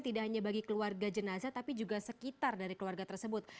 tidak hanya bagi keluarga jenazah tapi juga sekitar dari keluarga tersebut